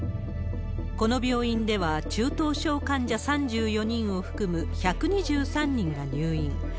この病院では、中等症患者３４人を含む１２３人が入院。